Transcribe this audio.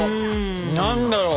何だろう。